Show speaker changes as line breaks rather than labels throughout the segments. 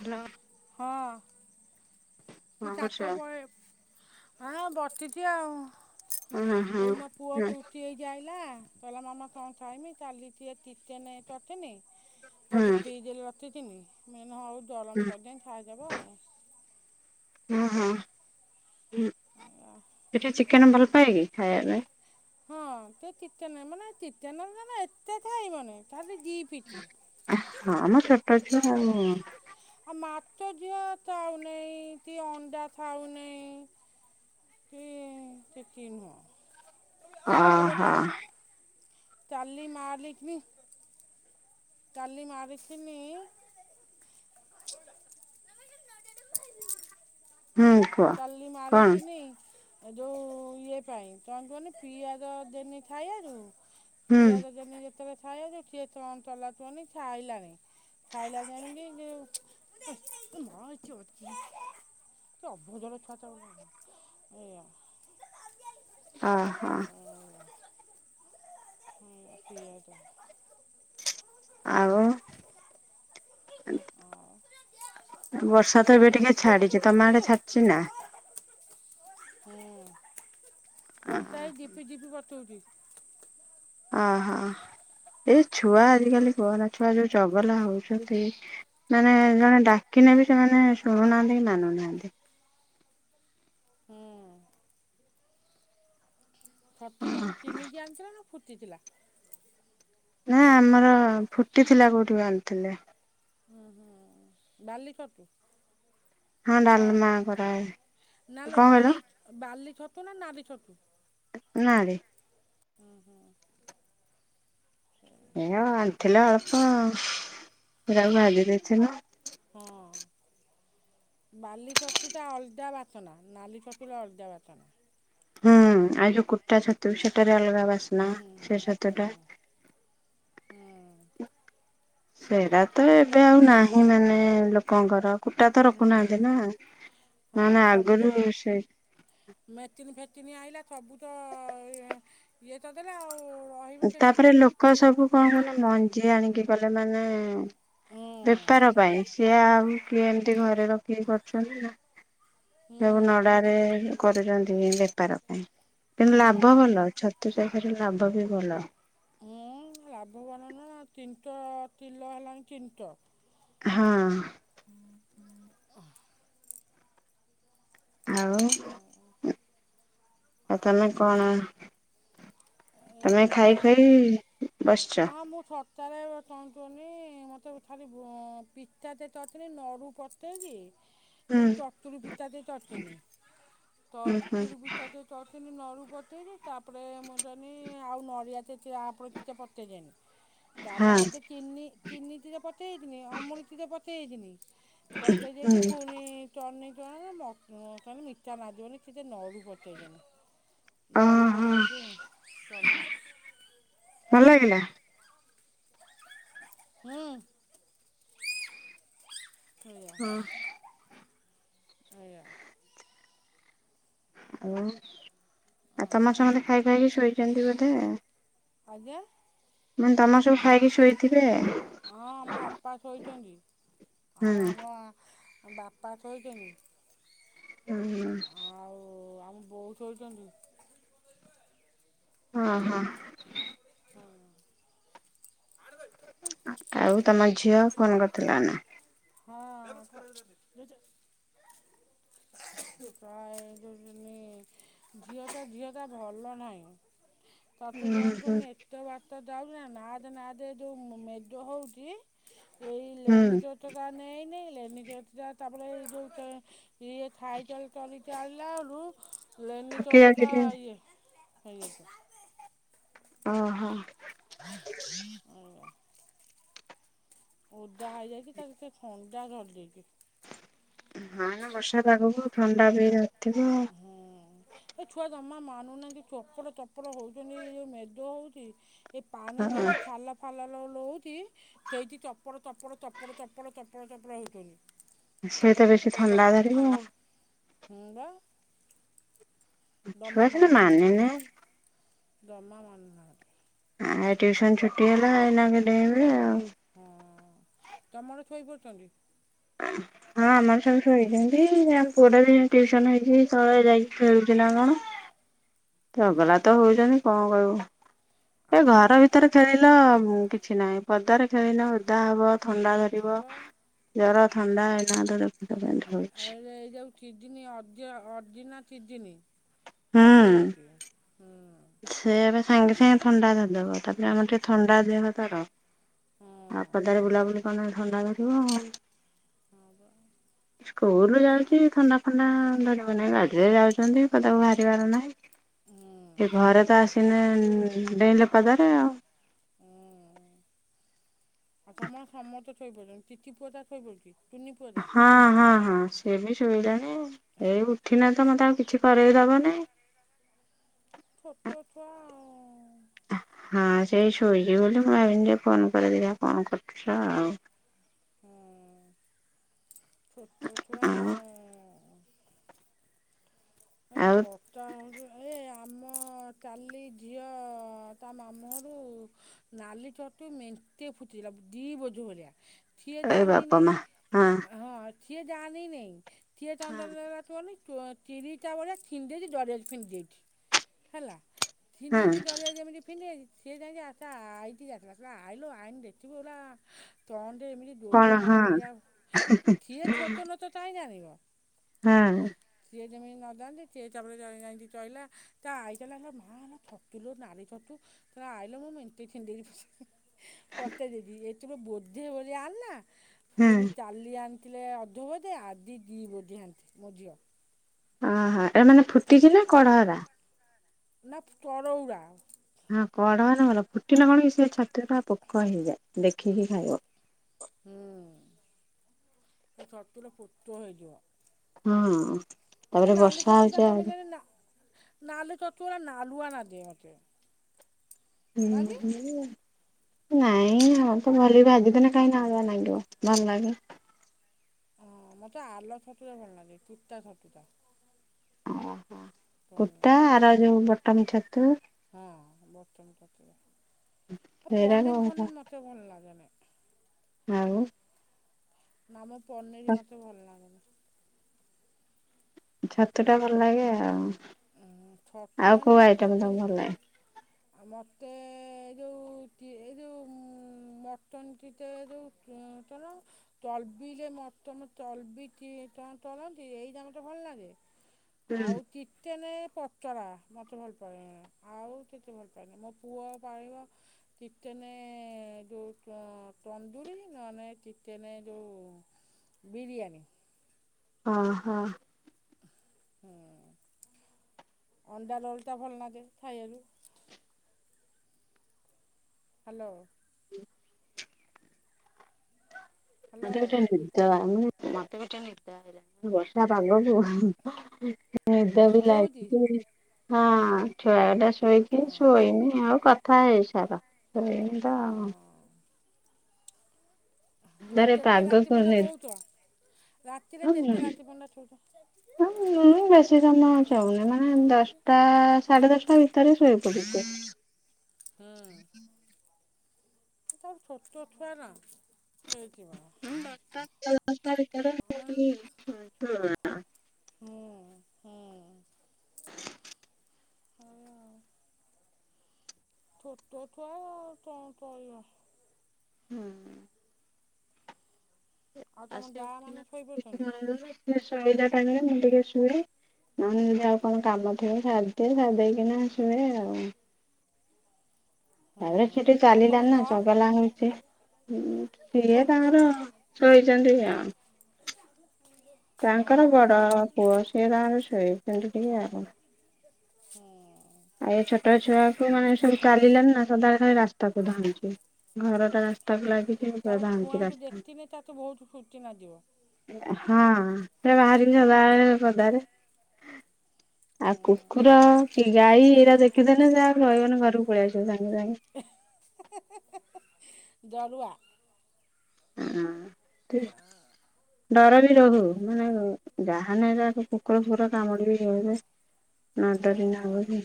Hello
ତୁ
କଣ
ଛାତ
କରୁଛ?
ପଳେ ହଁ ବସିଛି ଆଉ।
ଉଁ ହୁଁ
ଏଇନା ପୁଅ
ହୁଁ
ଛୁଟି ହେଇକି ଆଇଲା। କହିଲା ମାମା କଣ ଖାଇବି କାଲି ଟିକେ ଚିକେନ କରିଥିଲି।
ହୁଁ
ତାକୁ ଫ୍ରୀଜରେ ରଖି ଥିଦିନି ମୁଁ ତଇଲି ହୋଉ ଦରମ
ହୁଁ
ତରିଦିଏ ଥାଇଦବା ଆଉ।
ହଁ ହଁ ହୁଁ।
[unintelligible]
ସେ ଟିକେ ଚିକେନ ଭଲ ପାଏ କି ଖାଇବାପାଇଁ?
ହଁ ସେ ଚିତେନେ ମାନେ ଚିକେନ ଏତେ ଥାଇବନି ଥାଲି ଦି ପିତି।
ହଁ ମ ଛୋଟଛୁଆ ଆଉ।
ଆଉ ମାଛ ଝିଅ ଥାଉନେଇ ତି ଅଣ୍ଡା ଥାଉ ନେଇ। ସେ ତିତି ନୁହଁ।
ଅ ହଁ।
ତାଲି ମାଲିଥିନି। କାଲି ମାରିିଥିନି।
ହୁଁ। କୁହ।
ତାଲି
କଣ
ମାରିଥିନି ଏ ଯୋଉ ଇଏ ପାଇଁ ତ ତୁଅନି ପିଆଜ ଦେନି ଥାଇଆଯୋଗୁ
ହୁଁ
ପିଆଜ ଦେନି ଯେତେବେଳେ ଥାଇବାକୁ ସିଏ ତନ ତଲାକୁହନି ଥାଇଲାନି। ଥାଇଲା ନେଇକି ମା ଏଠି ଅଛି। ଭୋଜନ ଛୁଆ ତ ଏଆ।
ଓହୋ
ଏଥି ଇଏ ଟା।
ଆଉ।
ଆଉ
ବର୍ଷା ତ ଏବେ ଟିକେ ଛାଡିଛି। ତମ ଆଡେ ଛାଡିଛି ନା?
ହୁଁ ବତା ହେ ଜିପି ଜିପି ବତଉଛି।
ଅହୋ ଏଇ ଛୁଆ ଆଜିକାଲି କୁହନା ଛୁଆ ଯୋଉ ଚଗଲା ହଉଛନ୍ତି। ମାନେ ଜଣେ ଡାକିନେ ବି ସେମାନେ ଶୁଣୁନାହାନ୍ତି କି ମାନୁନାହାନ୍ତି।
ହୁଁ। ଛଟୁ ତମେ କିଣିକି ଆଣିଥିଲା ନା ଫୁଟିଥିଲା?
ନା ଆମର ଫୁଟିଥିଲା କଉଠୁ କୋଉଠୁ ଆଣିଥିଲେ।
ହଁ ହଁ ବାଲି ଛତୁ।
ହଁ
ନା
ଡାଲମା କରାହେ
ନାଲୋ
କଣ କହିଲ?
ବାଲି ବାଲି ଛତୁ ନା ନାଲି ଛତୁ
ନାରେ
ହୁଁ ହୁଁ ହଁ
ଏ ହଉ ଆଣିଥିଲେ ଅଳ୍ପ ଆଉ ମୁଁ ତାକୁ ଭାଜି ଦେଇଥିଲି
ହଁ ବାଲି ଚତୁଟା ଅଲଦା ବାଛନା ନାଲି ଛତୁଟା ଅଲଦା ବାଛନା
ହୁଁ ଆଉ ଯୋ କୁଟା ଛତୁ ସେଟାରେ ଅଲଗା ବାସନା
ହୁଁ
ସେ
ହୁଁ
ଛତୁଟା
ହୁଁ
ସେଇଟା ତ ଏବେ ଆଉ ନାହିଁ ମାନେ ଲୋକଙ୍କର କୁଟା ତ ରଖୁନାହାନ୍ତି ନା ମାନେ ଆଗରୁ ସେ
ମେଟିନ ଫେଟିନ ଆଇିଲା ସବୁ ତ ଇଏ ତ ଦେଲେ ଆଉ ରହିବ କେମିତି
କଣ ସବୁ କଣ ମାନେ ମଞ୍ଜି ଆଣିକି କଲେ ମାନେ
ହୁଁ
ବେପାର ପାଇଁ ସିଏ ଆଉ କିଏ ଏମିତି ଘରେ ରଖିକି କରୁଛନ୍ତି
ହୁଁ
ସବୁ ନଡ଼ାରେ କରୁଛନ୍ତି ବେପାର ପାଇଁ କିନ୍ତୁ ଲାଭ
ହୁଁ
ଭଲ ଛତୁ [inaudible] ଲାଭ ବି ଭଲ
[unintelligible] ଲାଭ ବାନ ନା ତିନିଟା ତିିଲୋ ହେଲାଣି ତିନିଟ
ହଁ
[unintelligible]
ଆଉ ଆଉ ତମେ କଣ ତମେ
ଏଇ
ଖାଇ
ବା
ଖାଇ ବସିଛ?
ହଁ ମୁଛତ [unintelligible]
ହୁଁ
ଏ ଚତୁରି ପିତା ଟେ ଦେଇ ଚତ୍ନୀ
ହୁଁ
ଚର୍
ହୁଁ
ଚୁରବିତ [unintelligible] [unintelligible] ତାପରେ
ହଁ
ଆଦି ଚିନି ଚିନିଟିରେ ପଚେଇ ଥିନି ଅମୂଲଟିରେ ପଚେଇ ଦେଇଥିନି ପଚେଇ ଦେଇକି
ହୁଁ
ଫୁଣି [unintelligible]
ଓହୋ
[unintelligible]
ଭଲ ଲାଗିଲା
ହଁ ହୁ
ହଁ
[unintelligible] ହ [unintelligible]
ଓଉ ଆଉ ତମ ସମସ୍ତେ ଖାଇ ଖୁଆଇକି ଶୋଇଛନ୍ତି ବୋଧେ
ଆଜ୍ଞା
ମାନେ ତମର ସବୁ ଖାଇକି ଶୋଇଥିବେ
ହଁ ଆମ ଅପା ଶୋଇଛନ୍ତି
ହୁଁ
ଆଉ ଆମ ବାପା ଶୋଇଛନ୍ତି
ହୁଁ ହୁଁ
ଆଉ ଆମ ବୋଉ ଶଉଛନ୍ତି
ହଁ ହଁ
ହଁ
ଆଉ ତମ ଝିଅ ଫୋନ କରିଥିଲା ନା
ହଁ [unintelligible] ଝିଅଟା ଝିଅ ଟା ଭଲ ନାହିଁ। ତାକୁୁ
ହୁଁ
ଯନ୍ତୁନି ଏତେ ବାଟ ଯାଉଚି ନା ନାଦ ନାଦ ଯୋଉ ମେଦ ହଉଛି ଏଇ
ହୁଁ
ଲେନିଚଟଟା ନେଇନାଇ, ଲେନିଚଟଟ ତାପରେ ଏଇ ଯୋଉ ଏ ଥାଇ ତଲ ତଲଇତିଲିଲା ରୁ ଲେନି
ଥକି ଯାଉଛି
କୋଟଟା
ଟିକେ
ଇଏ ହେଇ
ଓହୋ।
ହୁଁ। ଓଦା ହେଇଯାଇଛି ତା ଭିତରେ ଥଣ୍ଡା ଧରିଦେଇଛି।
ନା ନା ବର୍ଷା ପାଗକୁ ଥଣ୍ଡା ବି ରହିଥିବ।
ହୁଁ ଏ ଛୁଆ ଜମା ମାନୁନାହାନ୍ତି, ଚୋପଡ଼ ଚୋପଡ଼ ହଉଛନ୍ତିଇ, ଯୋଉ ମେଦ ହଉଛି। ଏଇ ପାଣି ଯଉଛି
ହଁ
ଛଲା ଫାଲା ଲ ଲଉଛି ହେଇଠି ଚପଡ଼ ତପଡ଼ ଚପଡ଼ ଚପଡ଼ ଚପଡ଼ ଚପଡ଼ ହେଉଛନ୍ତି।
ସିଏ ତ ବେଶୀ
ସେଇଥିରେ
ଥଣ୍ଡା ଧରିବ।
ଥଣ୍ଡା ହୁଁ ବା
ଛୁଆ
ଦମା
ସିନା
ମାନୁନାହାନ୍ତି।
ମାନେନି
ଦମା ମନୁ ନାହାନ୍ତି।
ଆ ଟିୁସନ ଛୁଟି ହେଲା ଏଇନାକେ ଡେଇଁବେ ଆଉ।
ହୁଁ, ତମର ଛୋଇ ପରଛନ୍ତି?
ହ ହଁ ଆମର ସବୁ ଶୋଇଛନ୍ତି, ଆ ପୁଅଟା ବି ଟିୟୁସନ ହେଇଛି, ତଳେ ଯାଇକି ଖେଳୁଛି ନା କଣ।
ହଁ
ଝଗଲା ତ ହଉଛନ୍ତି କଣ କହିବୁ,
ଆଉ
ଏ
ତମ
ଘର
ତିଥି
ଭିତରେ ଖେଳିଲା [unintelligible] କିଛି ନାହିଁ ପଦାରେ ଖେଳିଲେ ଓଦା ହବ। ଥଣ୍ଡା
ହଁ
ଧରିବ,
ବା
ଜର, ଥଣ୍ଡା [unintelligible] ଧୋଇଛି।
ଏଇ ଯଉ କୀଡୀନି ଅଦ୍ୟ ଅଜିନା କୀଡୀନି ସବୁ
ହୁଁ
ହଉଛି, ହୁଁ।
ସେ ଏବେ ସାଙ୍ଗେ ସାଙ୍ଗେ ଥଣ୍ଡା ଧରିଦବ, ତାପରେ ଆମର ଟିକେ ଥଣ୍ଡା ଦେହ ତାର। ଆ
ହଁ
ପଦାରେ ବୁଲାବୁଲି ଅରୁନାହାନ୍ତି ଥଣ୍ଡା ଧରିବ ଆଉ।
ହଁ ବା
ସ୍କୁଲ
ଆଉ ଚି
ଯାଉଛି ଥଣ୍ଡା ଫଣ୍ଡା ଧରିବ ନାହିଁ ଗାଡ଼ିରେ ଯାଉଛନ୍ତି ପଦାକୁ ବାହାରିିବାର ନାହିଁ।
ହୁଁ।
ସେ ଘରେ ତ ଆସିନେ ଡେଇଁଲେ ପଦାରେ ଆଉ।
[unintelligible]
ହଁ ହଁ ହଁ, ସିଏ ବି ଶୋଇଲାଣି ଏଇ ଉଠିନେ ତ ମତେ ଆଉ କିଛି କରେଇ ଦବ ନାଇଁ।
ଛୋଟୋ ଛୁଆ ଆଉ।
ହଁ ସେଇ ଶୋଇଛି ବୋଲି ମୁଁ ଭାବିନି ଯେ ଫୋନ କରିଦେବି କଣ କରୁଛ ଆଉ।
ହୁଁ, ଛୋଟୋ ଛୁଆ ଆଉ। ଏଇ
ଆଉ
ପୁଅ ଚା ହଉଚି ଏ ଆ ଆମ ଚାଲି ଝିଅ ତା ମାମୁଁଘରୁ ନାଲି ଛତୁ ମେଣ୍ଟେ ଫୁଚିଲା ଦି ବୋଝ ଭଳିଆ। ସିଏ
ଏ
ଜାନିନି,
ବାପ ମା
ହଁ। ସିଏ ଜାନିନି [unintelligible] [unintelligible] ହଲା [unintelligible] ସିଏ
ହଁ
ଯାଇକି ଆତ ଆଇକି
କଣ ହଁ
[unintelligible] ଏମିତି [unintelligible]
ହାଁ।
ଜିଏ ଯେମିନ ହାନ୍ତି ସେ ଚପରେ ଯା ଚହିଲା ତା ଆଇଚିଲା ମା ହେ ଛତୁ ଲୁ ନାରୀ ଛତୁ ତ ଆଇିଲ ମୁଁ ମଇ ଥିଡିରି ପ [unintelligible] କତେ ଦିଦି ଏ ତର ବୋଧେ ବୋଲି ଆ ନା
ହଁ
ପୁଣି ଚାଲଲି ଆନ ଥିଲେ ଅଧ ବୋଧେ ଆ ଦି ଦୁଇ ବୋଧିହାନ୍ତିେ ମୋ ଝିଅ
ଓହୋ ଏଟା ମାନେ ଫୁଟଛିି ନା କଢ଼ ହରା
ନା ଚରଉରା
ହଁ କଡଢ ହେଲେ ଭଲ ଫୁଟିଲେ କଣକି ସେ ଛତୁ ରେ ପୁରା ପୋକ ହେଇଯାଏ ଦେଖିକି ଖାଇବ।
ହୁଁ ସେ ଛତୁରେ ପୁକ ହେଇଯିବ।
ହଁ
ମତେ
ତାପରେ
ନାଲି
ବର୍ଷା
ଛତୁ ଟା
ହଉଛି
ତମେ
ଆହୁରି
ଜଣ ନା- ନାଲି ଛତୁ ଟା ନାଲୁଆ ଲାଗେ ମୋତେ।
ହୁଁ ହୁଁ ନାଇଁ ଆମର ତ ଭଲେଇ ଭାଜି ଦେଲେ କାହିଁ ନାଳୁଆ ଲାଗିବ ଭଲ ଲାଗେ।
ହଁ ମୋତେ ଆଲ ଛତୁଟା ଭଲ ଲାଗେ ଚୁତା ଛତୁଟା।
ଓହୋ
ଭଲ
କୁର୍ତା
ଲାଗେ
ଆର ଯୋଉ ବଟନ ଛତୁ।
ହଁ ବଟନ ଛତୁଟା ଆଉ
ସେଇରାକ
ପନିର ପନିର୍ ମୋତେ ଭଲ ଲାଗେନି।
ଆଉ!
ନା ମ ପନିର୍ ମତେ ଭଲ ଲାଗେନି।
ଛତୁ ଟା ଭଲ ଲାଗେ ଆଉ
ଉଁ ଛତୁ
ଆଉ
ହେନେ
କୋଉ
ମୋ ପୁଅ
ଆଇଟମ ତମ
ତିନି
କୁ ଭଲ ଲାଗେ!
ଆଉ ମୋତେ ଏ ଯେଉଁ ଏ ଯେଉଁ ମଟନ୍ କିଟ ଏ ଯେଉଁ- କି ଚଲ- ତର୍ବିିଲେ ମଟନ ତର୍ବି ତି ଟ ତଳକରନ୍ତି ଏଇ ଦା ମତେ ଭଲ ଲାଗେ। ଆଉ କି- କେନେ ପଚରା ମତେ ଭଲ ପାଏନି ଆଉ କେତେ ଭଲ ପାାଏନି ମୋ ପୁଅ ଖାଇବ- ଚିକେନ ଯଉ ତନ୍ଦୁରୀ ନହେଲେ ଚିକେନ ଯଉ- ବିରିୟାନୀ।
ଓ ହଁ
ହୁଁ ଅଣ୍ଡା ରୋଲଟା ଭଲ ଲାଗେ ଖାଇବାକୁ। ହାଲୋ
[unintelligible]
ହ୍ୟାଲୋ
ଆଁେି [inaudible] ମତେ ବି ଚିନି ବର୍ଷା ପାଗକୁ- [unintelligible] ନିଦ ବି ଲାଗୁଛି ହଁ ଛୁଆ ଟା ଶୋଇକି
ହଁ
ଶୋଇନି ଆଉ କଥା- ଥା ହେଇସାର ସେଇତ
ହଁ
ଆଉ।
ଆଉ
ଧରେ
ତତେ ରାତି
ପାଗକୁ
ପର୍ଯ୍ୟନ୍ତ
ନିଦ
ଚଉଛ ରାତିରେ କେତେ ରାତି ପର୍ଯ୍ୟନ୍ତ ଶୋଉଛ!
ହ ମୁ ବେଶୀ ସମୟ ଶୋଉନି ମାନେ ଦଶଟା- ସାଢେ ଦଶଟା ଭିତରେ ଶୋଇ ପଡୁଛି।
ହୁଁ ତାର ଛୋଟ ଛୁଆ ନା ଶଇଥିବ।
ହଁାର
ମାନେ
[inaudible]
ହୁଁ ହୁଁ। ଏଇଆ ଆଉ ଛୋଟ ଛୁଆ କଣ କହିବ!
ହୁଁ
ଆଉ ତମ
ଆସି
ଯା
ଉଠିଲା
ମାନେ ଶୋଇପଡିଛନ୍ତି?
ସେ ଶୋଇଲା ଟାଇମ୍ ରେ ମୁଁ ଟିକେ ଶୁଏ। ନ ହେଲେ ଯଦି ଆଉ କଣ କାମ ଥିବ ସାରି ଦିଏ ସାରି ଦେଇକିନା ଶୁଏ ଆଉ।
ହୁଁ
ଆରେ ସେ ଟିକିଏ
ଆଉ ତମ
ଚାଲିଲାଣିନା
ଯା
ଚଗଲା ହଉଛି। ହଁ ସିଏ
ଛୋଟ
ତାଙ୍କର
ଛୁଆଟା
ଶୋଇଚନ୍ତି ଆଉ।
ହଁ
ତାଙ୍କର ବଡ ପୁଅ ସିଏ ତାର ଶୋଇଚନ୍ତି ଟିକେ ଆଉ।
ହୁଁ
ଏ ଛୋଟ ଛୁଆ କୁ ମାନେ ସବୁ ଚାଲିଲାନି ନା ସଦାବେଳେ ଖାଲି ରାସ୍ତାକୁ ଧାଉଁଚି ଘରଟା ରାସ୍
ଏକ୍ ଛୁଆତୁ ଦେଖିନେ ତାକୁ ବହୁତ ଖୁଚି ନାଗିବ।
ହା ସେ ବାହାରି ସଦାବେଳେ ପଦାରେ। ଆଉ କୁକୁର କି ଗାଈ ଏଇରା ଦେଖିଦେଲେ ସେ ଆଉ ରହିବନି ଘରକୁ ପଳେଇ ଆସିବ ସାଙ୍ଗେ ସାଙ୍ଗେ।
ଜରୁଆ।
ହୁଁ ଠିକ୍। ଡର ବି ରହୁ ମାନେ ଯାହାନେ କୁକୁର ଫୁକୁର କାମୁଡି ବେ [unintelligible] ନ
ହୁଁ
ଡରିଲେ ହବ କି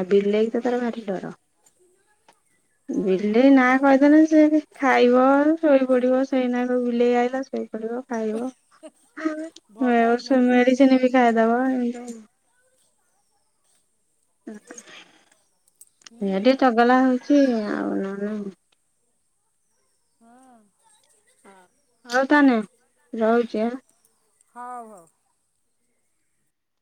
ଆଉ ବିଲେଇ
ହୁଁ
ତ ତାର ଭାରି ଡର।
ହଁ।
ବିଲେଇ ନାଁ
ତମ
କହିଦେଲେ ସେ ଖାଇବ। ଶୋଇ ପଡିବ ସେଇନାକୁ ବିଲେଇ ଆଇଲା ଶୋଇପଡିବ ଖାଇବ।
ଭଲ
ମେଉସ
ମେଡ଼ିସିନଟେ
ମେଡିସିନ ବି
ଲତା
ଖାଇଦବ [unintelligible]
ହୁଁ
ଇଏ ଟିକେ ଟଗଲା ହଉଛି ଆଉ ନ ନାହି।
ହଁ।
ହଉ ତାନେ ରହୁଛି ଆ।
ହଉ ହଉ।